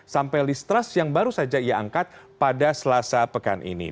sampai listrust yang baru saja ia angkat pada selasa pekan ini